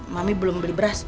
mami belum beli beras